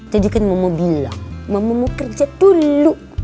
tadi kan mama bilang mama mau kerja dulu